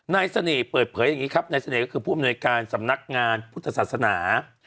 เสน่ห์เปิดเผยอย่างนี้ครับนายเสน่ห์ก็คือผู้อำนวยการสำนักงานพุทธศาสนา